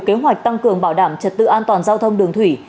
kế hoạch tăng cường bảo đảm trật tự an toàn giao thông đường thủy